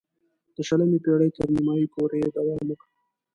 د شلمې پېړۍ تر نیمايی پورې یې دوام وکړ.